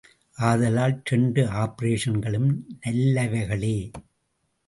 ஆதலால் இரண்டு ஆப்பரேஷன்களும் நல்லவைகளே.